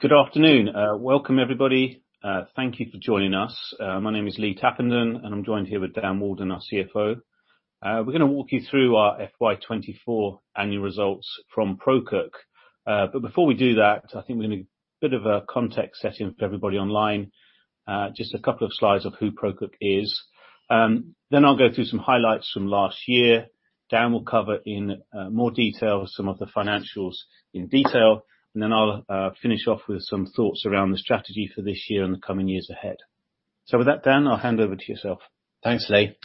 Good afternoon. Welcome, everybody. Thank you for joining us. My name is Lee Tappenden, and I'm joined here with Dan Walden, our CFO. We're going to walk you through our FY 2024 annual results from ProCook. Before we do that, I think we're going to do a bit of a context setting for everybody online. Just a couple of slides of who ProCook is. I'll go through some highlights from last year. Dan will cover in more detail some of the financials in detail, I'll finish off with some thoughts around the strategy for this year and the coming years ahead. With that, Dan, I'll hand over to yourself. Thanks, Lee.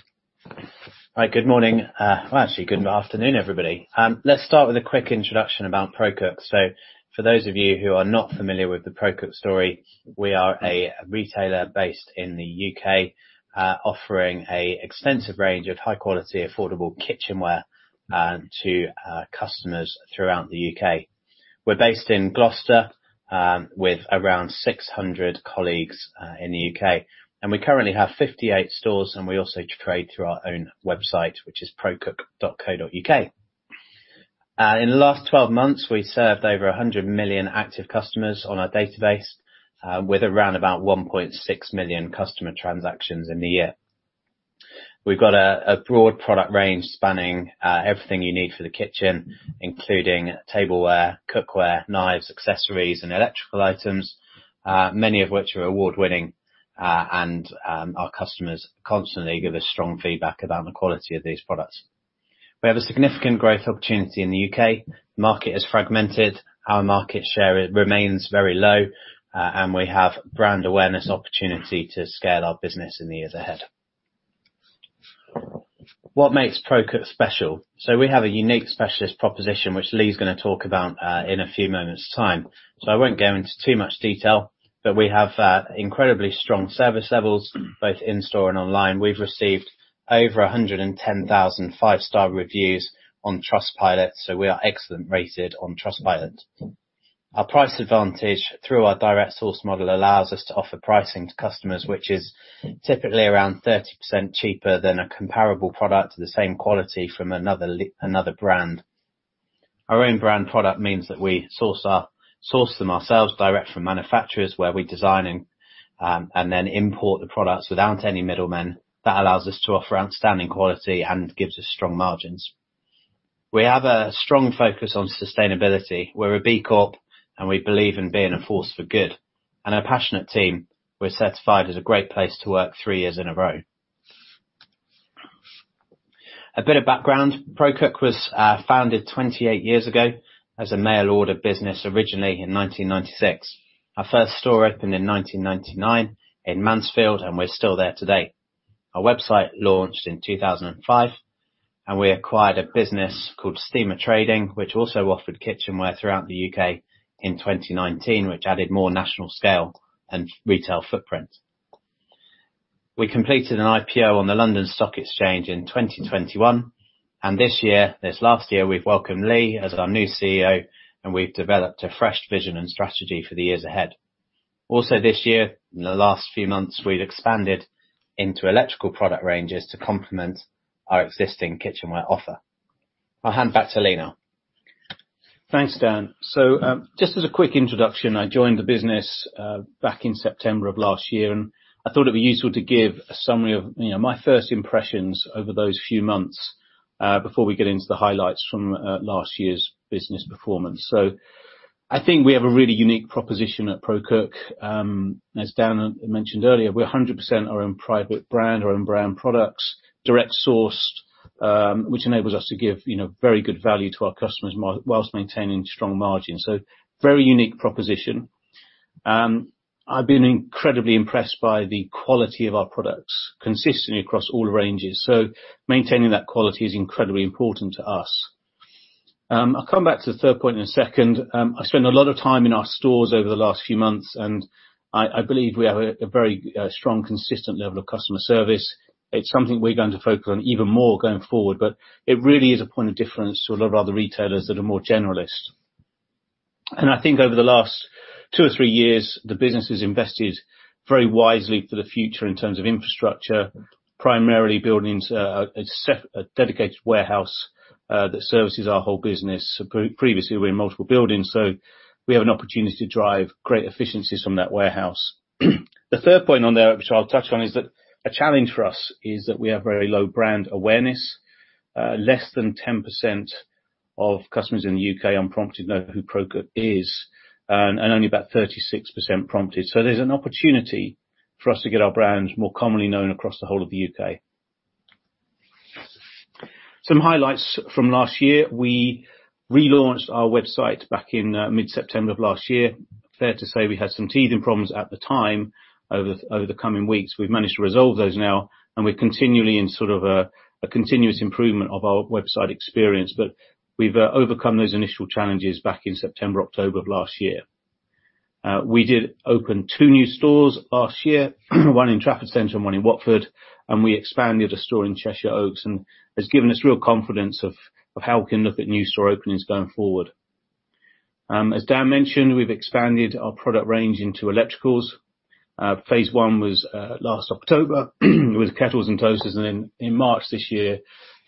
Hi. Good morning. Well, actually, good afternoon, everybody. Let's start with a quick introduction about ProCook. For those of you who are not familiar with the ProCook story, we are a retailer based in the U.K., offering a extensive range of high-quality, affordable kitchenware to our customers throughout the U.K. We're based in Gloucester, with around 600 colleagues in the U.K. We currently have 58 stores, and we also trade through our own website, which is procook.co.uk. In the last 12 months, we served over 1.4 million active customers on our database, with around about 1.6 million customer transactions in the year. We've got a broad product range spanning everything you need for the kitchen, including tableware, cookware, knives, accessories, and electrical items, many of which are award-winning. Our customers constantly give us strong feedback about the quality of these products. We have a significant growth opportunity in the U.K. Market is fragmented, our market share remains very low, and we have brand awareness opportunity to scale our business in the years ahead. What makes ProCook special? We have a unique specialist proposition, which Lee is going to talk about in a few moments time, I won't go into too much detail. We have incredibly strong service levels, both in-store and online. We've received over 110,000 five-star reviews on Trustpilot, we are excellent rated on Trustpilot. Our price advantage through our direct source model allows us to offer pricing to customers, which is typically around 30% cheaper than a comparable product of the same quality from another brand. Our own brand product means that we source them ourselves direct from manufacturers, where we design and then import the products without any middlemen. That allows us to offer outstanding quality and gives us strong margins. We have a strong focus on sustainability. We're a B Corp and we believe in being a force for good, and a passionate team. We're certified as a great place to work three years in a row. A bit of background. ProCook was founded 28 years ago as a mail order business originally in 1996. Our first store opened in 1999 in Mansfield, we're still there today. Our website launched in 2005, we acquired a business called Steamer Trading, which also offered kitchenware throughout the U.K. in 2019, which added more national scale and retail footprint. We completed an IPO on the London Stock Exchange in 2021, this last year, we've welcomed Lee as our new CEO, we've developed a fresh vision and strategy for the years ahead. Also this year, in the last few months, we've expanded into electrical product ranges to complement our existing kitchenware offer. I'll hand back to Lee now. Thanks, Dan. Just as a quick introduction, I joined the business back in September of last year, and I thought it'd be useful to give a summary of my first impressions over those few months before we get into the highlights from last year's business performance. I think we have a really unique proposition at ProCook. As Dan mentioned earlier, we're 100% our own private brand, our own brand products, direct sourced, which enables us to give very good value to our customers whilst maintaining strong margins. Very unique proposition. I've been incredibly impressed by the quality of our products consistently across all ranges, so maintaining that quality is incredibly important to us. I'll come back to the third point in a second. I spent a lot of time in our stores over the last few months, and I believe we have a very strong, consistent level of customer service. It's something we're going to focus on even more going forward, but it really is a point of difference to a lot of other retailers that are more generalist. I think over the last two or three years, the business has invested very wisely for the future in terms of infrastructure, primarily buildings, a dedicated warehouse, that services our whole business. Previously, we were in multiple buildings, we have an opportunity to drive great efficiencies from that warehouse. The third point on there, which I'll touch on, is that a challenge for us is that we have very low brand awareness. Less than 10% of customers in the U.K. unprompted know who ProCook is, and only about 36% prompted. There's an opportunity for us to get our brand more commonly known across the whole of the U.K. Some highlights from last year. We relaunched our website back in mid-September of last year. Fair to say we had some teething problems at the time. Over the coming weeks, we've managed to resolve those now, and we're continually in sort of a continuous improvement of our website experience. We've overcome those initial challenges back in September, October of last year. We did open two new stores last year, one in Trafford Centre and one in Watford, and we expanded a store in Cheshire Oaks and has given us real confidence of how we can look at new store openings going forward. As Dan mentioned, we've expanded our product range into electricals. Phase 1 was last October with kettles and toasters, and then in March this year,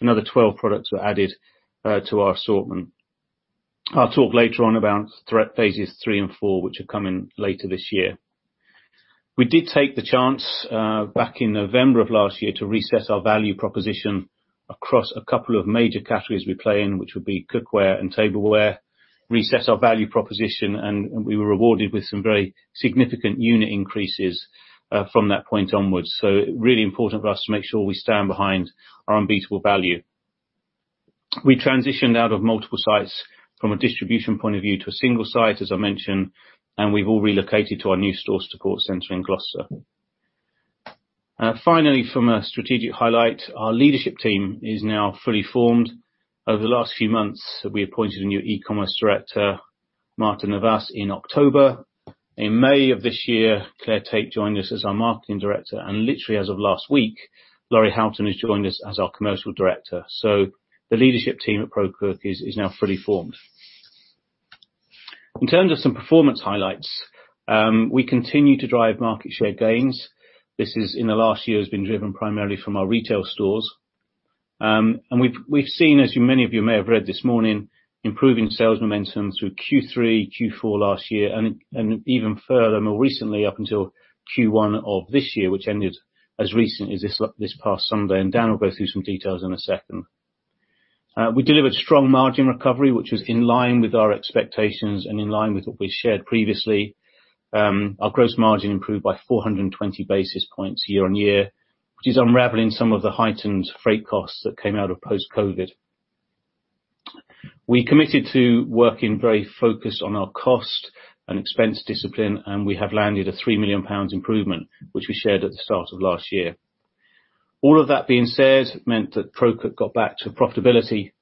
another 12 products were added to our assortment. I'll talk later on about phases 3 and 4, which are coming later this year. We did take the chance back in November of last year to reset our value proposition across a couple of major categories we play in, which would be cookware and tableware, reset our value proposition, and we were rewarded with some very significant unit increases from that point onwards. Really important for us to make sure we stand behind our unbeatable value. We transitioned out of multiple sites from a distribution point of view to a single site, as I mentioned, and we've all relocated to our new store support center in Gloucester. Finally, from a strategic highlight, our leadership team is now fully formed. Over the last few months, we appointed a new Ecommerce Director, Marta Navas, in October. In May of this year, Claire Tait joined us as our Marketing Director, and literally as of last week, Laurie Houghton has joined us as our Commercial Director. The leadership team at ProCook is now fully formed. In terms of some performance highlights, we continue to drive market share gains. This is in the last year has been driven primarily from our retail stores. We've seen, as many of you may have read this morning, improving sales momentum through Q3, Q4 last year and even further, more recently, up until Q1 of this year, which ended as recently as this past Sunday, and Dan will go through some details in a second. We delivered strong margin recovery, which was in line with our expectations and in line with what we shared previously. Our gross margin improved by 420 basis points year-on-year, which is unraveling some of the heightened freight costs that came out of post-COVID. We committed to working very focused on our cost and expense discipline, and we have landed a 3 million pounds improvement, which we shared at the start of last year. All of that being said, meant that ProCook got back to profitability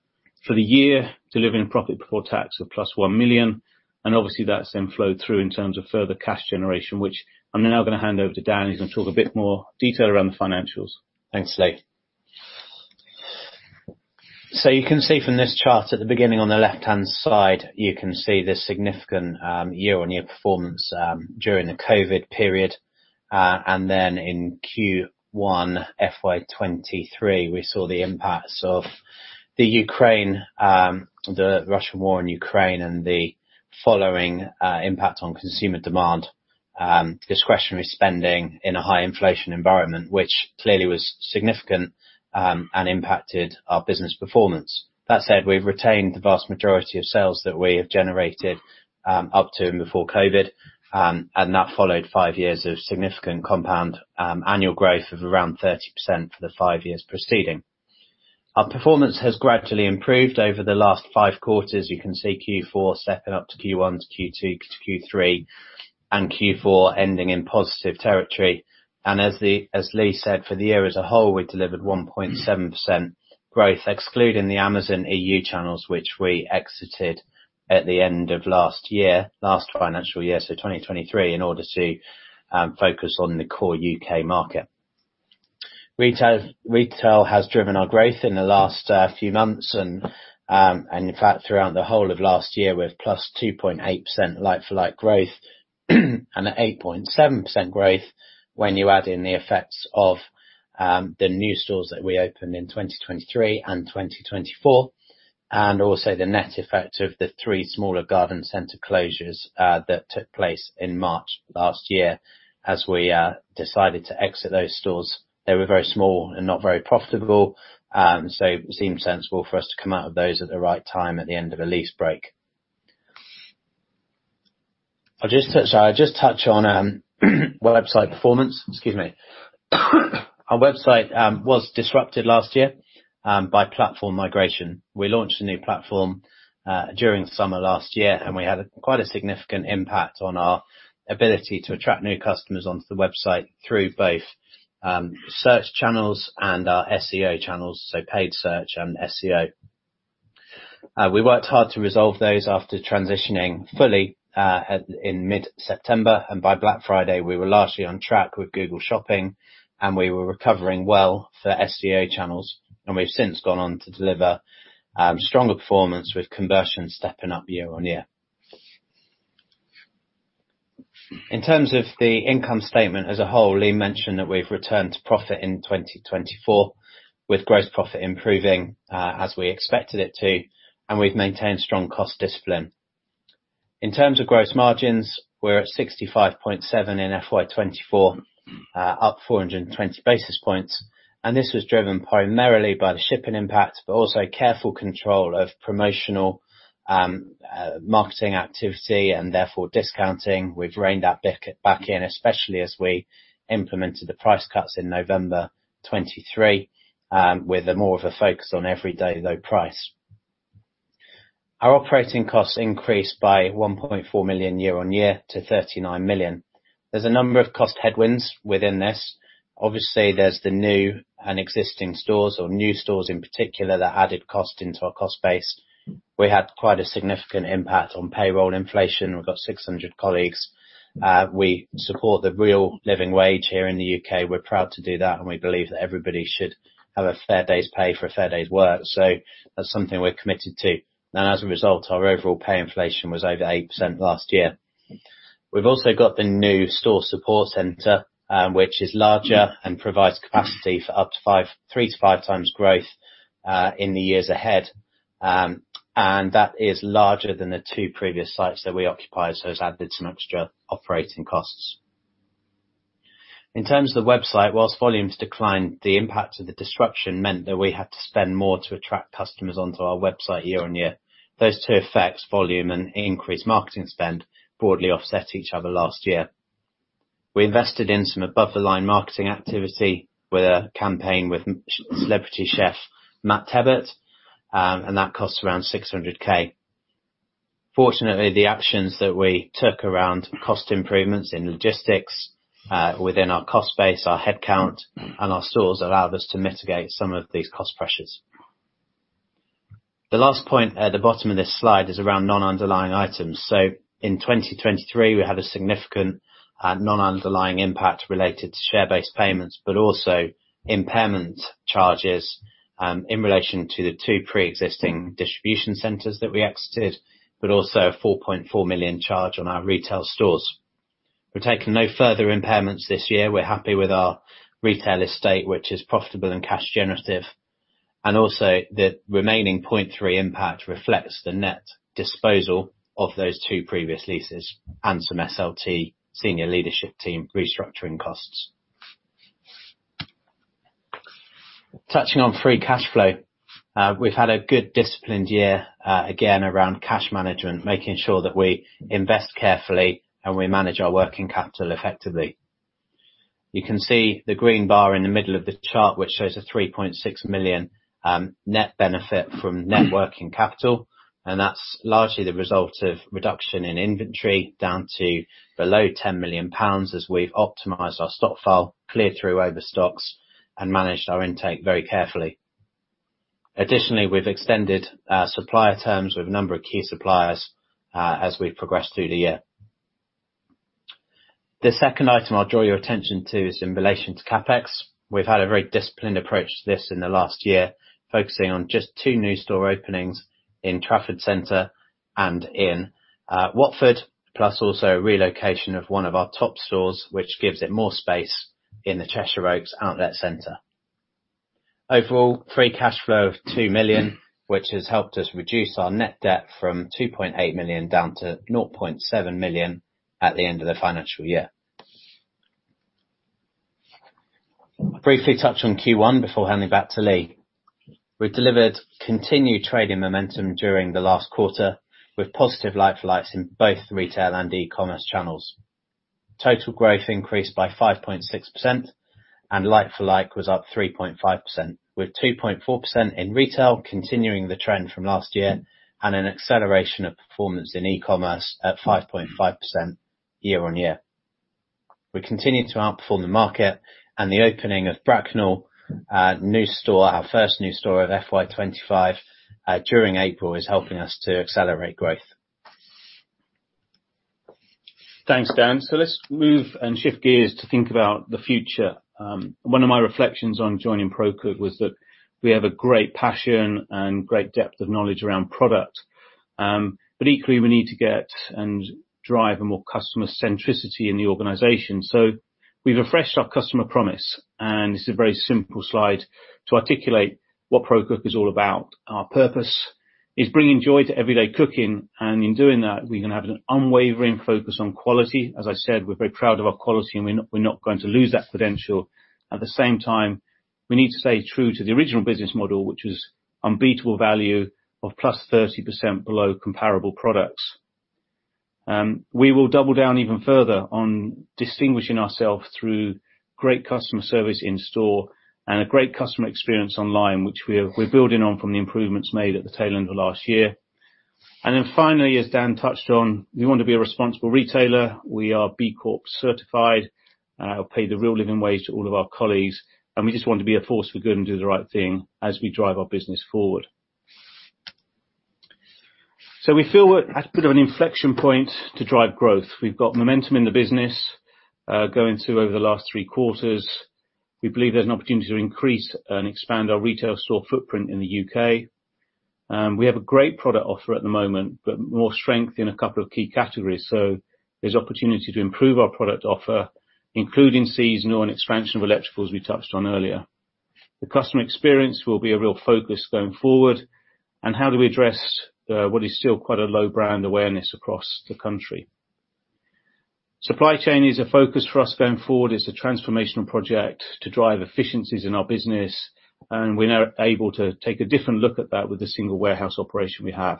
for the year, delivering a profit before tax of +1 million. Obviously, that's then flowed through in terms of further cash generation, which I'm now going to hand over to Dan, who's going to talk a bit more detail around the financials. Thanks, Lee. You can see from this chart at the beginning on the left-hand side, you can see the significant year-on-year performance, during the COVID period. In Q1 FY 2023, we saw the impacts of the Russian war in Ukraine and the following impact on consumer demand, discretionary spending in a high inflation environment, which clearly was significant, and impacted our business performance. That said, we've retained the vast majority of sales that we have generated up to and before COVID, and that followed five years of significant compound annual growth of around 30% for the five years preceding. Our performance has gradually improved over the last five quarters. You can see a step-up from Q4, to Q1, to Q2, to Q3, and Q4 ending in positive territory. As Lee said, for the year as a whole, we delivered 1.7% growth, excluding the Amazon EU channels, which we exited at the end of last financial year, so 2023, in order to focus on the core U.K. market. Retail has driven our growth in the last few months and in fact, throughout the whole of last year, with +2.8% like-for-like growth and at 8.7% growth when you add in the effects of the new stores that we opened in 2023 and 2024, and also the net effect of the three smaller garden center closures that took place in March last year as we decided to exit those stores. They were very small and not very profitable. It seemed sensible for us to come out of those at the right time at the end of a lease break. I'll just touch on website performance. Excuse me. Our website was disrupted last year by platform migration. We launched a new platform during the summer last year. We had quite a significant impact on our ability to attract new customers onto the website through both search channels and our SEO channels, so paid search and SEO. We worked hard to resolve those after transitioning fully in mid-September. By Black Friday, we were largely on track with Google Shopping. We were recovering well for SEO channels. We've since gone on to deliver stronger performance with conversions stepping up year-on-year. In terms of the income statement as a whole, Lee mentioned that we've returned to profit in 2024, with gross profit improving as we expected it to. We've maintained strong cost discipline. In terms of gross margins, we're at 65.7% in FY 2024, up 420 basis points. This was driven primarily by the shipping impact, also careful control of promotional marketing activity and therefore discounting. We've reined that back in, especially as we implemented the price cuts in November 2023, with more of a focus on everyday low price. Our operating costs increased by 1.4 million year-on-year to 39 million. There's a number of cost headwinds within this. Obviously, there's the new and existing stores or new stores in particular that added cost into our cost base. We had quite a significant impact on payroll inflation. We've got 600 colleagues. We support the real living wage here in the U.K. We're proud to do that. We believe that everybody should have a fair day's pay for a fair day's work. That's something we're committed to. As a result, our overall pay inflation was over 8% last year. We've also got the new store support center, which is larger and provides capacity for up to three to five times growth, in the years ahead. That is larger than the two previous sites that we occupy. It's added some extra operating costs. In terms of the website, whilst volumes declined, the impact of the disruption meant that we had to spend more to attract customers onto our website year-on-year. Those two effects, volume and increased marketing spend, broadly offset each other last year. We invested in some above the line marketing activity with a campaign with celebrity chef Matt Tebbutt. That cost around 600K. Fortunately, the actions that we took around cost improvements in logistics within our cost base, our headcount, and our stores allowed us to mitigate some of these cost pressures. The last point at the bottom of this slide is around non-underlying items. In 2023, we had a significant non-underlying impact related to share-based payments, but also impairment charges in relation to the two preexisting distribution centers that we exited, but also a 4.4 million charge on our retail stores. We're taking no further impairments this year. We're happy with our retail estate, which is profitable and cash generative, and also the remaining 0.3 impact reflects the net disposal of those two previous leases and some SLT, senior leadership team restructuring costs. Touching on free cash flow. We've had a good disciplined year again around cash management, making sure that we invest carefully and we manage our working capital effectively. You can see the green bar in the middle of the chart, which shows a 3.6 million net benefit from net working capital, and that's largely the result of reduction in inventory down to below 10 million pounds as we've optimized our stock file, cleared through overstocks, and managed our intake very carefully. Additionally, we've extended supplier terms with a number of key suppliers as we progressed through the year. The second item I'll draw your attention to is in relation to CapEx. We've had a very disciplined approach to this in the last year, focusing on just two new store openings in Trafford Center and in Watford, plus also relocation of one of our top stores, which gives it more space in the Cheshire Oaks Outlet Center. Overall, free cash flow of 2 million, which has helped us reduce our net debt from 2.8 million down to 0.7 million at the end of the financial year. Briefly touch on Q1 before handing back to Lee. We've delivered continued trading momentum during the last quarter with positive like for likes in both retail and e-commerce channels. Total growth increased by 5.6%, and like for like was up 3.5%, with 2.4% in retail continuing the trend from last year and an acceleration of performance in e-commerce at 5.5% year on year. We continue to outperform the market and the opening of Bracknell new store, our first new store of FY 2025, during April is helping us to accelerate growth. Thanks, Dan. Let's move and shift gears to think about the future. One of my reflections on joining ProCook was that we have a great passion and great depth of knowledge around product. Equally, we need to get and drive a more customer centricity in the organization. We've refreshed our customer promise, and this is a very simple slide to articulate what ProCook is all about. Our purpose is bringing joy to everyday cooking, and in doing that, we're going to have an unwavering focus on quality. As I said, we're very proud of our quality and we're not going to lose that credential. At the same time, we need to stay true to the original business model, which is unbeatable value of plus 30% below comparable products. We will double down even further on distinguishing ourselves through great customer service in store and a great customer experience online, which we're building on from the improvements made at the tail end of last year. Finally, as Dan touched on, we want to be a responsible retailer. We are B Corp certified. I pay the real living wage to all of our colleagues, and we just want to be a force for good and do the right thing as we drive our business forward. We feel we're at a bit of an inflection point to drive growth. We've got momentum in the business, going through over the last three quarters. We believe there's an opportunity to increase and expand our retail store footprint in the U.K. We have a great product offer at the moment, but more strength in a couple of key categories. There's opportunity to improve our product offer, including seasonal and expansion of electricals we touched on earlier. The customer experience will be a real focus going forward. How do we address what is still quite a low brand awareness across the country? Supply chain is a focus for us going forward. It's a transformational project to drive efficiencies in our business, and we're now able to take a different look at that with the single warehouse operation we have.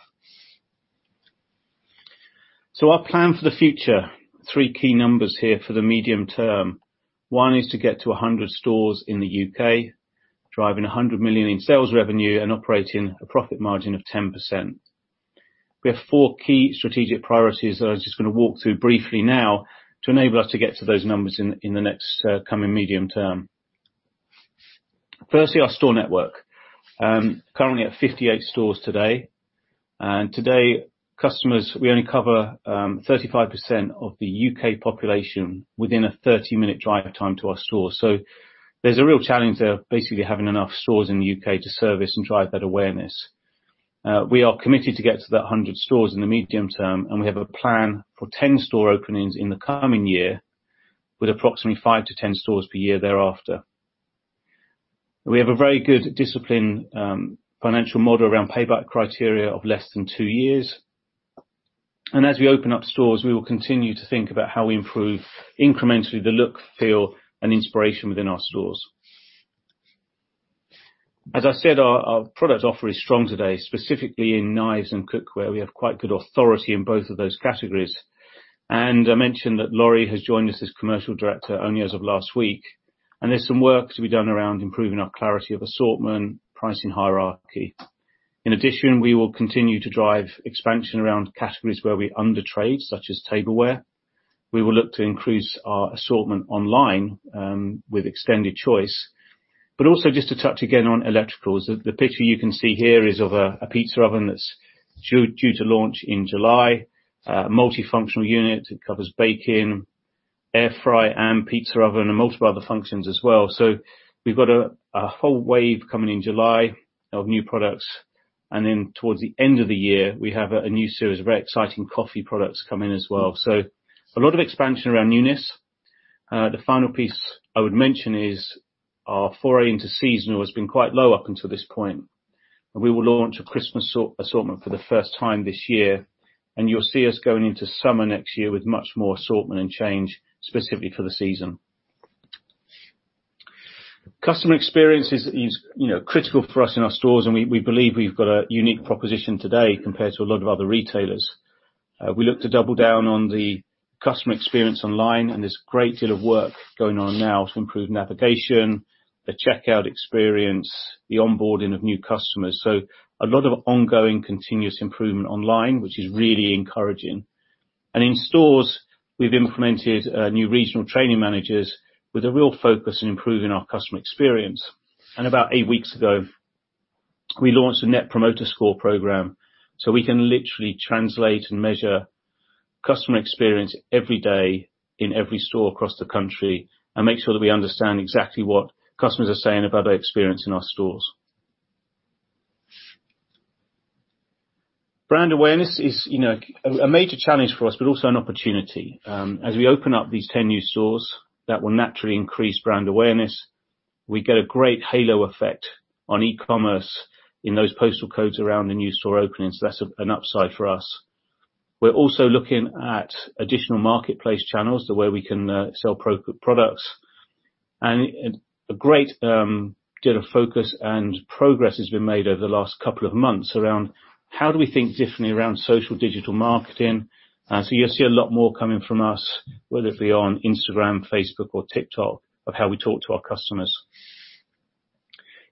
Our plan for the future, three key numbers here for the medium term. One is to get to 100 stores in the U.K., driving 100 million in sales revenue and operating a profit margin of 10%. We have four key strategic priorities that I was just going to walk through briefly now to enable us to get to those numbers in the next coming medium term. Firstly, our store network. Currently at 58 stores today. Today, customers, we only cover 35% of the U.K. population within a 30-minute drive time to our store. There's a real challenge there of basically having enough stores in the U.K. to service and drive that awareness. We are committed to get to that 100 stores in the medium term, and we have a plan for 10 store openings in the coming year, with approximately five to 10 stores per year thereafter. We have a very good discipline financial model around payback criteria of less than two years. As we open up stores, we will continue to think about how we improve incrementally the look, feel, and inspiration within our stores. As I said, our product offer is strong today, specifically in knives and cookware. We have quite good authority in both of those categories. I mentioned that Laurie has joined us as Commercial Director only as of last week. There's some work to be done around improving our clarity of assortment, pricing hierarchy. In addition, we will continue to drive expansion around categories where we under trade, such as tableware. We will look to increase our assortment online, with extended choice. Also just to touch again on electricals. The picture you can see here is of a pizza oven that's due to launch in July. A multifunctional unit. It covers baking, air fry, and pizza oven, and a multiple other functions as well. We've got a whole wave coming in July of new products. Towards the end of the year, we have a new series of very exciting coffee products coming as well. A lot of expansion around newness. The final piece I would mention is our foray into seasonal has been quite low up until this point, and we will launch a Christmas assortment for the first time this year. You'll see us going into summer next year with much more assortment and change specifically for the season. Customer experience is critical for us in our stores, and we believe we've got a unique proposition today compared to a lot of other retailers. We look to double down on the customer experience online, and there's a great deal of work going on now to improve navigation, the checkout experience, the onboarding of new customers. A lot of ongoing continuous improvement online, which is really encouraging. In stores, we've implemented new regional training managers with a real focus on improving our customer experience. About eight weeks ago, we launched a net promoter score program, so we can literally translate and measure customer experience every day in every store across the country and make sure that we understand exactly what customers are saying about their experience in our stores. Brand awareness is a major challenge for us, but also an opportunity. As we open up these 10 new stores, that will naturally increase brand awareness. We get a great halo effect on e-commerce in those postal codes around the new store openings, so that's an upside for us. We're also looking at additional marketplace channels to where we can sell ProCook products. A great deal of focus and progress has been made over the last couple of months around how do we think differently around social digital marketing. You'll see a lot more coming from us, whether it be on Instagram, Facebook, or TikTok, of how we talk to our customers.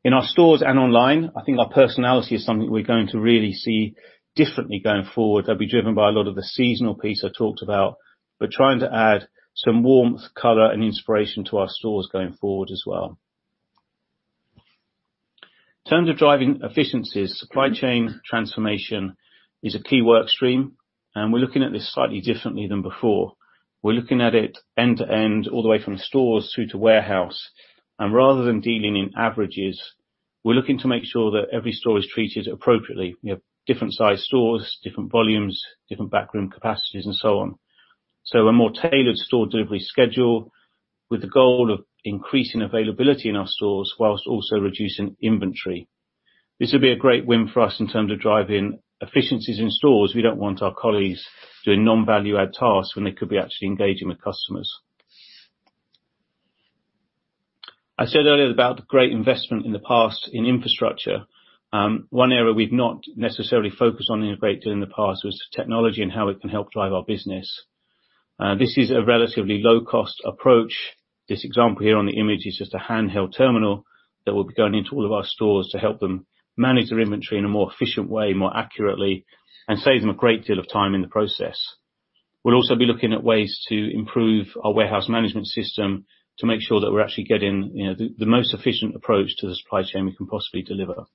In our stores and online, I think our personality is something we're going to really see differently going forward. That'll be driven by a lot of the seasonal piece I talked about. We're trying to add some warmth, color, and inspiration to our stores going forward as well. In terms of driving efficiencies, supply chain transformation is a key work stream, and we're looking at this slightly differently than before. We're looking at it end to end, all the way from stores through to warehouse. Rather than dealing in averages, we're looking to make sure that every store is treated appropriately. We have different sized stores, different volumes, different back room capacities, and so on. A more tailored store delivery schedule with the goal of increasing availability in our stores whilst also reducing inventory. This will be a great win for us in terms of driving efficiencies in stores. We don't want our colleagues doing non-value add tasks when they could be actually engaging with customers. I said earlier about the great investment in the past in infrastructure. One area we've not necessarily focused on a great deal in the past was technology and how it can help drive our business. This is a relatively low cost approach. This example here on the image is just a handheld terminal that will be going into all of our stores to help them manage their inventory in a more efficient way, more accurately, and save them a great deal of time in the process. We'll also be looking at ways to improve our warehouse management system to make sure that we're actually getting the most efficient approach to the supply chain we can possibly deliver.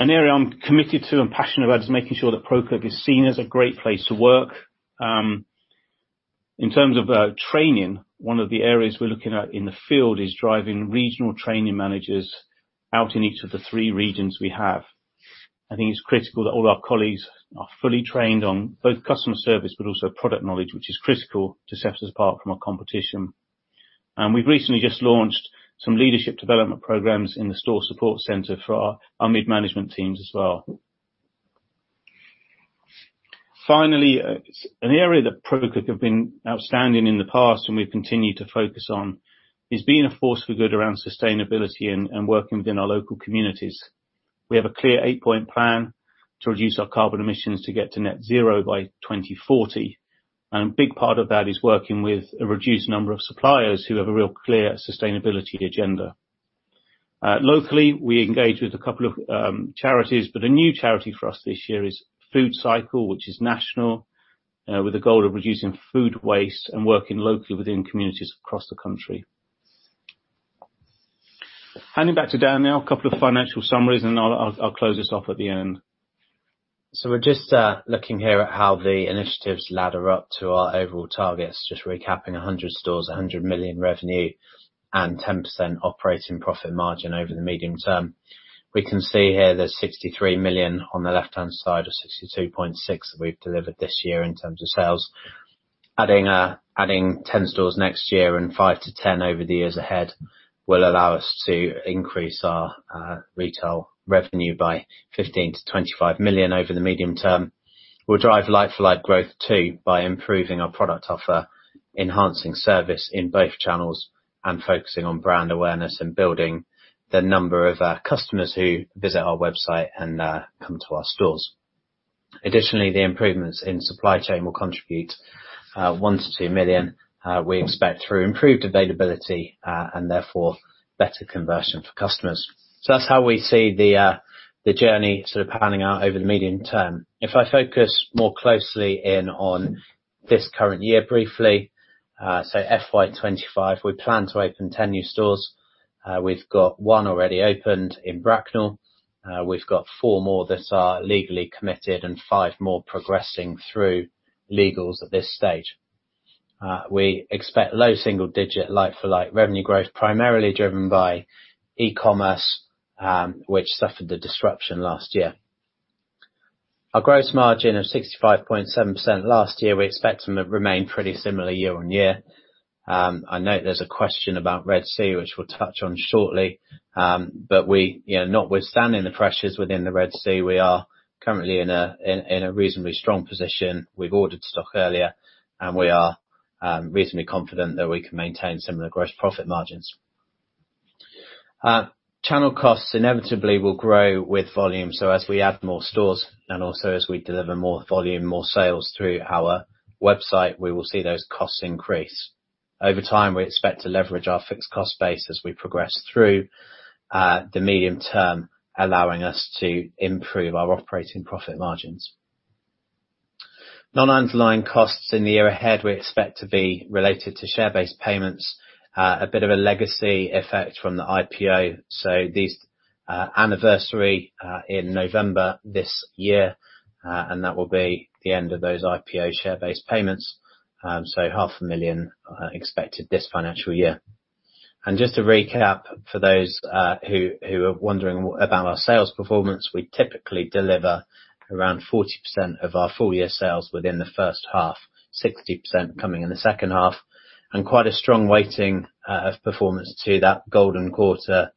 An area I'm committed to and passionate about is making sure that ProCook is seen as a great place to work. In terms of training, one of the areas we're looking at in the field is driving regional training managers out in each of the three regions we have. I think it's critical that all our colleagues are fully trained on both customer service but also product knowledge, which is critical to set us apart from our competition. We've recently just launched some leadership development programs in the store support center for our mid-management teams as well. Finally, an area that ProCook have been outstanding in the past and we've continued to focus on is being a force for good around sustainability and working within our local communities. We have a clear eight-point plan to reduce our carbon emissions to get to net zero by 2040, and a big part of that is working with a reduced number of suppliers who have a real clear sustainability agenda. Locally, we engage with a couple of charities, but a new charity for us this year is FoodCycle, which is national, with a goal of reducing food waste and working locally within communities across the country. Handing back to Dan now, a couple of financial summaries, and then I'll close this off at the end. We're just looking here at how the initiatives ladder up to our overall targets, just recapping 100 stores, 100 million revenue, and 10% operating profit margin over the medium term. We can see here there's 63 million on the left-hand side of 62.6 million that we've delivered this year in terms of sales. Adding 10 stores next year and 5-10 over the years ahead will allow us to increase our retail revenue by 15 million-25 million over the medium term. We'll drive like for like growth too by improving our product offer, enhancing service in both channels, and focusing on brand awareness and building the number of customers who visit our website and come to our stores. Additionally, the improvements in supply chain will contribute 1 million-2 million, we expect, through improved availability, and therefore better conversion for customers. That's how we see the journey sort of panning out over the medium term. If I focus more closely in on this current year briefly, FY 2025, we plan to open 10 new stores. We've got one already opened in Bracknell. We've got four more that are legally committed and five more progressing through legals at this stage. We expect low single digit LFL revenue growth, primarily driven by e-commerce, which suffered a disruption last year. Our gross margin of 65.7% last year, we expect them to remain pretty similar year-on-year. I note there's a question about Red Sea, which we'll touch on shortly. Notwithstanding the pressures within the Red Sea, we are currently in a reasonably strong position. We've ordered stock earlier, and we are reasonably confident that we can maintain similar gross profit margins. Channel costs inevitably will grow with volume. As we add more stores, and also as we deliver more volume, more sales through our website, we will see those costs increase. Over time, we expect to leverage our fixed cost base as we progress through the medium term, allowing us to improve our operating profit margins. Non-underlying costs in the year ahead we expect to be related to share-based payments, a bit of a legacy effect from the IPO. This anniversary, in November this year, and that will be the end of those IPO share-based payments. GBP half a million expected this financial year. Just to recap for those who are wondering about our sales performance, we typically deliver around 40% of our full year sales within the first half, 60% coming in the second half, and quite a strong weighting of performance to that golden quarter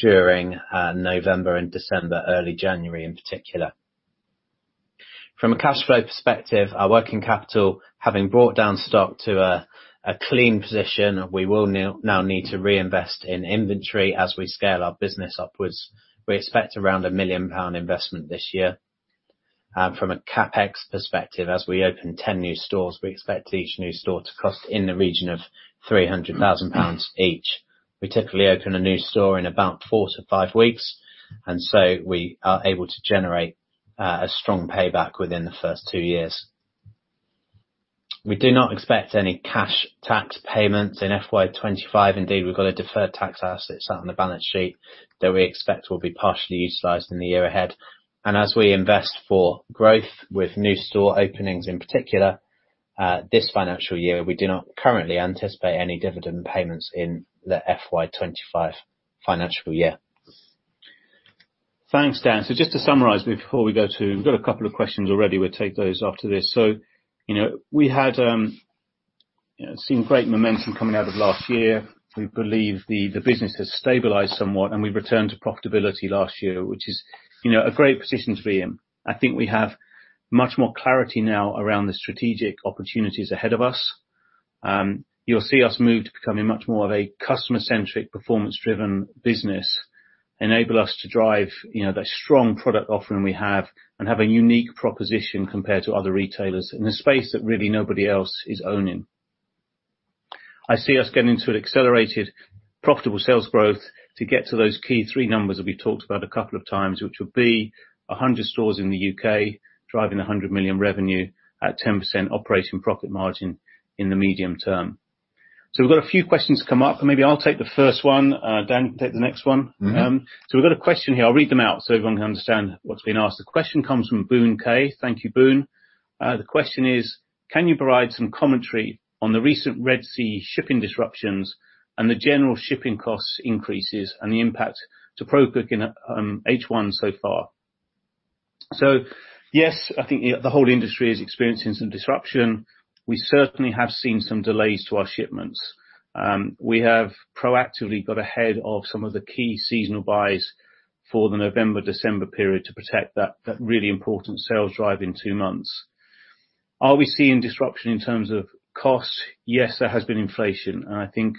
during November and December, early January in particular. From a cash flow perspective, our working capital, having brought down stock to a clean position, we will now need to reinvest in inventory as we scale our business upwards. We expect around a 1 million pound investment this year. From a CapEx perspective, as we open 10 new stores, we expect each new store to cost in the region of 300,000 pounds each. We typically open a new store in about four to five weeks, we are able to generate a strong payback within the first two years. We do not expect any cash tax payments in FY 2025. Indeed, we've got a deferred tax asset sat on the balance sheet that we expect will be partially utilized in the year ahead. As we invest for growth with new store openings in particular, this financial year, we do not currently anticipate any dividend payments in the FY 2025 financial year. Thanks, Dan. We've got a couple of questions already. We'll take those after this. We had seen great momentum coming out of last year. We believe the business has stabilized somewhat, and we returned to profitability last year, which is a great position to be in. I think we have much more clarity now around the strategic opportunities ahead of us. You'll see us move to becoming much more of a customer-centric, performance-driven business, enable us to drive that strong product offering we have and have a unique proposition compared to other retailers in a space that really nobody else is owning. I see us getting into an accelerated profitable sales growth to get to those key three numbers that we talked about a couple of times, which will be 100 stores in the U.K. driving 100 million revenue at 10% operating profit margin in the medium term. We've got a few questions come up. Maybe I'll take the first one, Dan take the next one. We've got a question here. I'll read them out so everyone can understand what's being asked. The question comes from Boone K. Thank you, Boone. The question is, can you provide some commentary on the recent Red Sea shipping disruptions and the general shipping costs increases and the impact to ProCook in H1 so far? Yes, I think the whole industry is experiencing some disruption. We certainly have seen some delays to our shipments. We have proactively got ahead of some of the key seasonal buys for the November, December period to protect that really important sales drive in two months. Are we seeing disruption in terms of cost? Yes, there has been inflation, and I think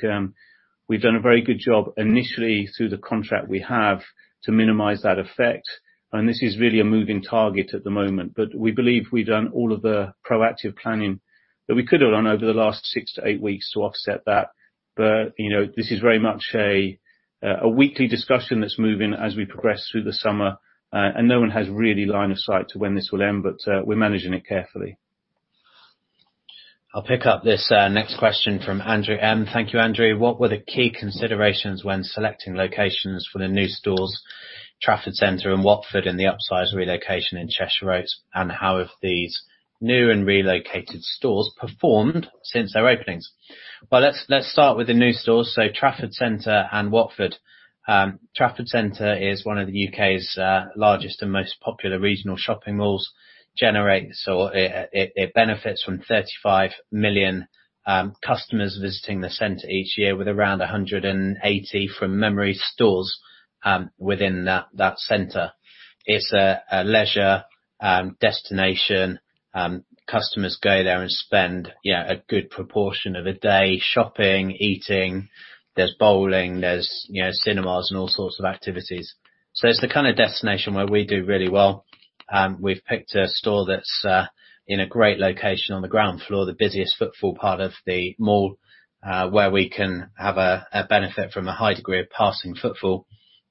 we've done a very good job initially through the contract we have to minimize that effect, and this is really a moving target at the moment. We believe we've done all of the proactive planning that we could have done over the last six to eight weeks to offset that. This is very much a weekly discussion that's moving as we progress through the summer, and no one has really line of sight to when this will end, but we're managing it carefully. I'll pick up this next question from Andrew M. Thank you, Andrew. What were the key considerations when selecting locations for the new stores, Trafford Center and Watford, and the upsize relocation in Cheshire Oaks? How have these new and relocated stores performed since their openings? Let's start with the new stores, Trafford Center and Watford. Trafford Center is one of the U.K.'s largest and most popular regional shopping malls. It benefits from 35 million customers visiting the center each year, with around 180, from memory, stores within that center. It's a leisure destination. Customers go there and spend a good proportion of the day shopping, eating. There's bowling, there's cinemas, and all sorts of activities. It's the kind of destination where we do really well. We've picked a store that's in a great location on the ground floor, the busiest footfall part of the mall, where we can have a benefit from a high degree of passing footfall.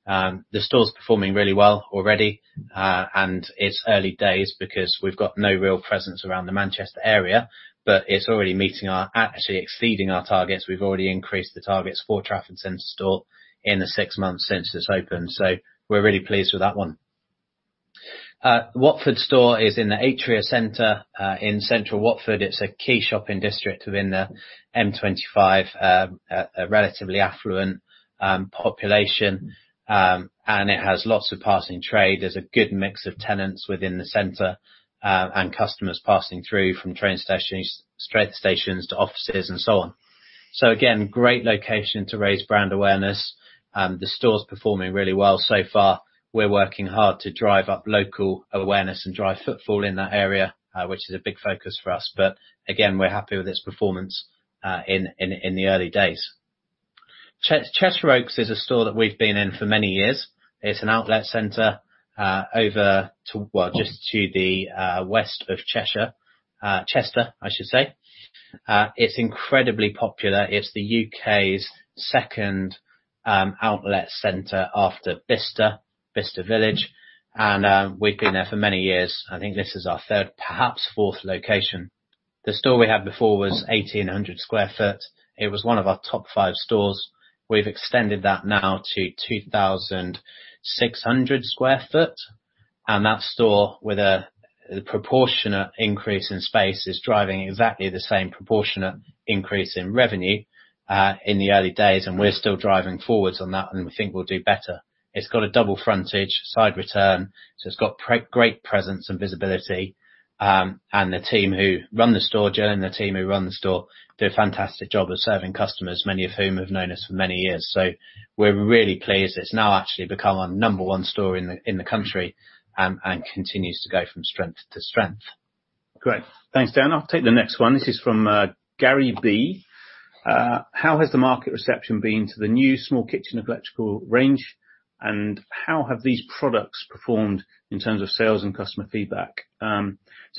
The store's performing really well already. It's early days because we've got no real presence around the Manchester area, but it's already actually exceeding our targets. We've already increased the targets for Trafford Center store in the 6 months since it's opened. We're really pleased with that one. Watford store is in the Atria Watford in central Watford. It's a key shopping district within the M25. A relatively affluent population, and it has lots of passing trade. There's a good mix of tenants within the center, and customers passing through from train stations to offices and so on. Again, great location to raise brand awareness. The store's performing really well so far. We're working hard to drive up local awareness and drive footfall in that area, which is a big focus for us. Again, we're happy with its performance in the early days. Cheshire Oaks is a store that we've been in for many years. It's an outlet center over to, just to the west of Cheshire. Chester, I should say. It's incredibly popular. It's the U.K.'s second outlet center after Bicester Village. We've been there for many years. I think this is our third, perhaps fourth location. The store we had before was 1,800 sq ft. It was one of our top five stores. We've extended that now to 2,600 sq ft. That store, with a proportionate increase in space, is driving exactly the same proportionate increase in revenue, in the early days, and we're still driving forwards on that, and we think we'll do better. It's got a double frontage, side return, it's got great presence and visibility. The team who run the store, Jill and the team who run the store, do a fantastic job of serving customers, many of whom have known us for many years. We're really pleased. It's now actually become our number 1 store in the country, and continues to go from strength to strength. Great. Thanks, Dan. I'll take the next one. This is from Gary B. How has the market reception been to the new small kitchen electrical range, and how have these products performed in terms of sales and customer feedback?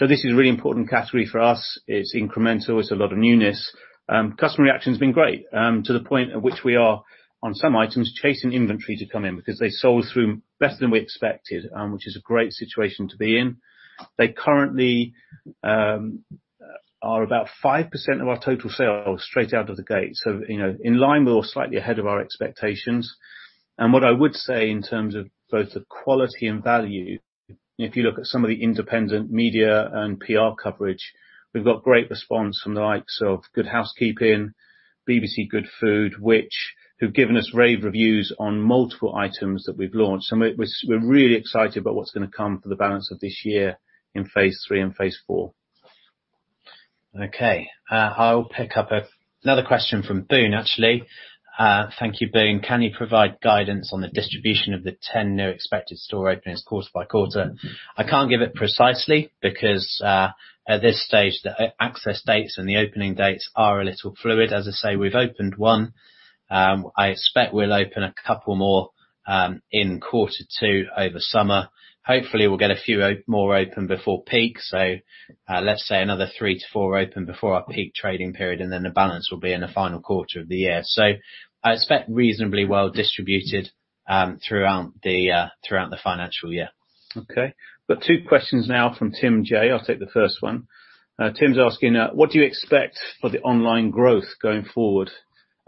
This is a really important category for us. It's incremental. It's a lot of newness. Customer reaction's been great, to the point at which we are, on some items, chasing inventory to come in because they sold through better than we expected, which is a great situation to be in. They currently are about 5% of our total sales straight out of the gate, so in line with or slightly ahead of our expectations. What I would say in terms of both the quality and value, if you look at some of the independent media and PR coverage, we've got great response from the likes of Good Housekeeping, BBC Good Food, who've given us rave reviews on multiple items that we've launched. We're really excited about what's going to come for the balance of this year in phase three and phase four. Okay. I'll pick up another question from Boone, actually. Thank you, Boone. Can you provide guidance on the distribution of the 10 new expected store openings quarter by quarter? I can't give it precisely because, at this stage, the access dates and the opening dates are a little fluid. As I say, we've opened one. I expect we'll open a couple more in quarter two over summer. Hopefully, we'll get a few more open before peak. Let's say another three to four open before our peak trading period, then the balance will be in the final quarter of the year. I expect reasonably well distributed throughout the financial year. Okay. Got two questions now from Tim J. I'll take the first one. Tim's asking, what do you expect for the online growth going forward?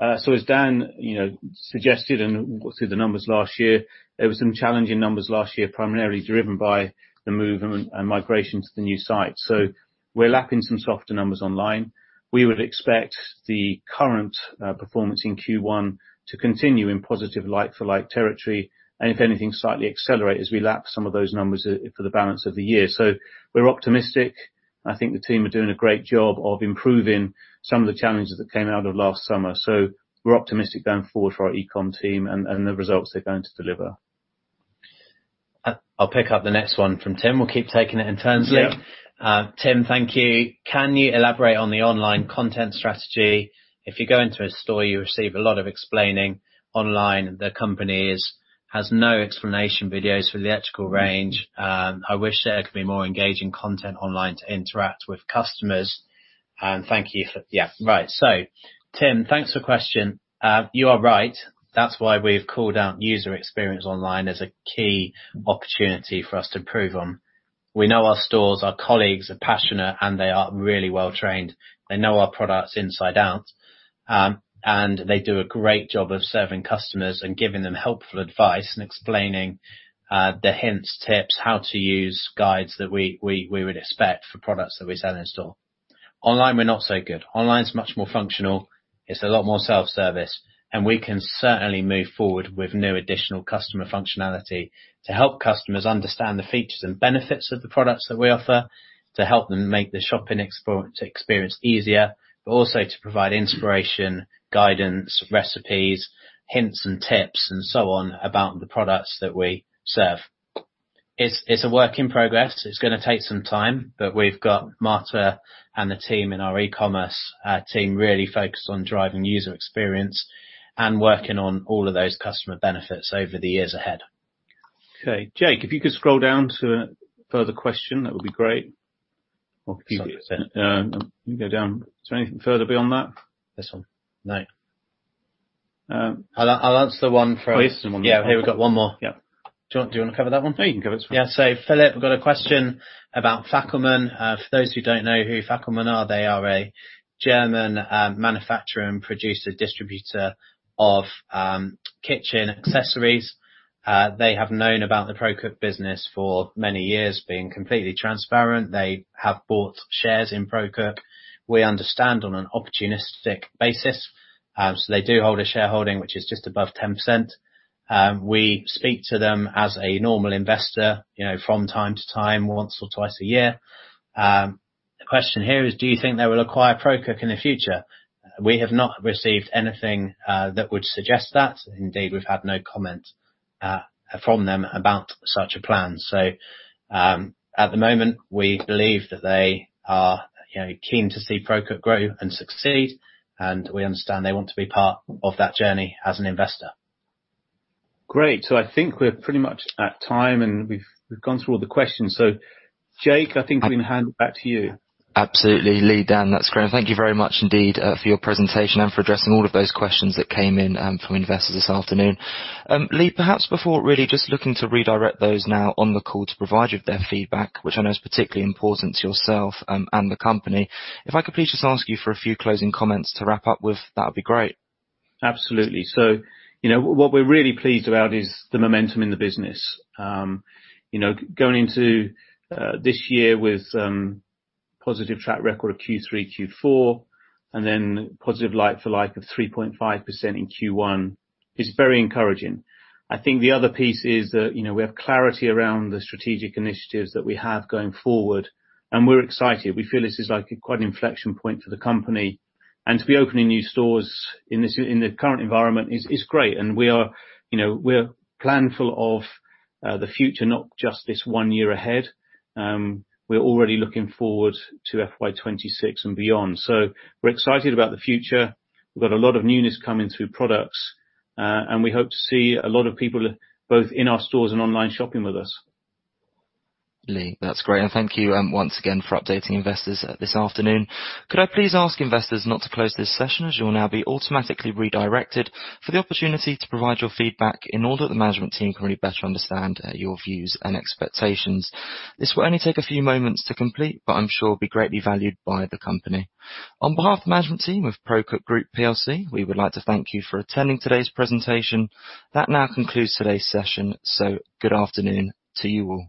As Dan suggested and through the numbers last year, there were some challenging numbers last year, primarily driven by the move and migration to the new site. We're lacking some softer numbers online. We would expect the current performance in Q1 to continue in positive like for like territory, if anything, slightly accelerate as we lap some of those numbers for the balance of the year. We're optimistic. I think the team are doing a great job of improving some of the challenges that came out of last summer. We're optimistic going forward for our e-com team and the results they're going to deliver. I'll pick up the next one from Tim. We'll keep taking it in turns here. Yeah. Tim, thank you. Can you elaborate on the online content strategy? If you go into a store, you receive a lot of explaining online. The company has no explanation videos for the electrical range. I wish there could be more engaging content online to interact with customers. Tim, thanks for question. You are right. That's why we've called out user experience online as a key opportunity for us to improve on. We know our stores, our colleagues are passionate, and they are really well trained. They know our products inside out, and they do a great job of serving customers and giving them helpful advice and explaining the hints, tips, how to use guides that we would expect for products that we sell in store. Online, we're not so good. Online is much more functional. It's a lot more self-service, we can certainly move forward with new additional customer functionality to help customers understand the features and benefits of the products that we offer, to help them make the shopping experience easier, but also to provide inspiration, guidance, recipes, hints and tips and so on, about the products that we serve. It's a work in progress. It's going to take some time, but we've got Marta and the team in our e-commerce team really focused on driving user experience and working on all of those customer benefits over the years ahead. Okay, Jake, if you could scroll down to a further question, that would be great. Sorry. You can go down. Is there anything further beyond that? This one. No. I'll answer the one from- Oh, here's some on here. Yeah, here we've got one more. Yeah. Do you want to cover that one? No, you can cover it. Yeah. Philip, we've got a question about Fackelmann. For those who don't know who Fackelmann are, they are a German manufacturer and producer, distributor of kitchen accessories. They have known about the ProCook business for many years, being completely transparent. They have bought shares in ProCook, we understand, on an opportunistic basis. They do hold a shareholding which is just above 10%. We speak to them as a normal investor from time to time, once or twice a year. The question here is, do you think they will acquire ProCook in the future? We have not received anything that would suggest that. Indeed, we've had no comment from them about such a plan. At the moment, we believe that they are keen to see ProCook grow and succeed, and we understand they want to be part of that journey as an investor. Great. I think we're pretty much at time, We've gone through all the questions. Jake, I think we can hand it back to you. Absolutely, Lee. Dan, that's great. Thank you very much indeed for your presentation and for addressing all of those questions that came in from investors this afternoon. Lee, perhaps before really just looking to redirect those now on the call to provide you with their feedback, which I know is particularly important to yourself and the company, if I could please just ask you for a few closing comments to wrap up with, that would be great. Absolutely. What we're really pleased about is the momentum in the business. Going into this year with positive track record of Q3, Q4, then positive LFL of 3.5% in Q1 is very encouraging. I think the other piece is that we have clarity around the strategic initiatives that we have going forward, We're excited. We feel this is quite an inflection point for the company, To be opening new stores in the current environment is great. We're planful of the future, not just this one year ahead. We're already looking forward to FY 26 and beyond. We're excited about the future. We've got a lot of newness coming through products, We hope to see a lot of people both in our stores and online, shopping with us. Lee, that's great. Thank you once again for updating investors this afternoon. Could I please ask investors not to close this session, as you will now be automatically redirected for the opportunity to provide your feedback in order that the management team can really better understand your views and expectations. This will only take a few moments to complete, but I'm sure will be greatly valued by the company. On behalf of the management team of ProCook Group PLC, we would like to thank you for attending today's presentation. That now concludes today's session, Good afternoon to you all.